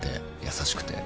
優しくて。